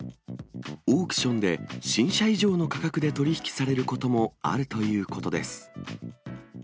オークションで新車以上の価格で取り引きされることもあるということです。